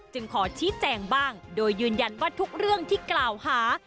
ขอชี้แจงบ้างโดยยืนยันว่าทุกเรื่องที่กล่าวหา